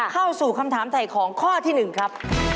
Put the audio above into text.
เข้าสู่คำถามถ่ายของข้อที่๑ครับ